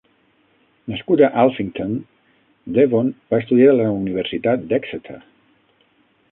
Nascut a Alphington, Devon va estudiar a la Universitat d'Exeter.